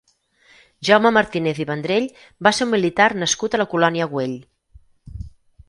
Jaume Martínez i Vendrell va ser un militar nascut a La Colònia Güell.